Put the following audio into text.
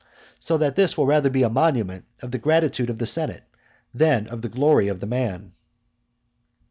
So that this will be rather a monument of the gratitude of the senate, than of the glory of the man.